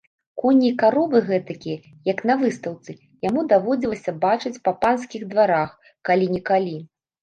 Коні і каровы гэтакія, як на выстаўцы, яму даводзілася бачыць па панскіх дварах калі-нікалі.